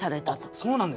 そうなんですね。